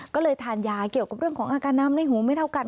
ก็เลยทานยาเกี่ยวกับเรื่องของอาการน้ำในหูไม่เท่ากัน